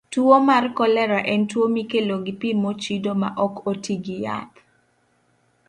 Tuwo mar kolera en tuwo mikelo gi pi mochido ma ok oti gi yath.